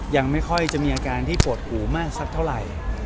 ยังไม่ค่อยจะมีอาการที่ปวดหูมากสักเท่าไหร่